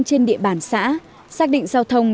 trên địa bàn xã xác định giao thông